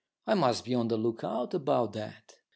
I must be on the lookout about that.